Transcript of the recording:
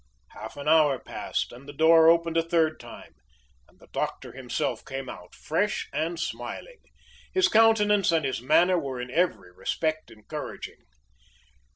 Half an hour passed, and the door opened a third time, and the doctor himself came out, fresh and smiling. His countenance and his manner were in every respect encouraging.